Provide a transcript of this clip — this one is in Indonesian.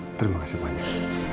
ya terima kasih banyak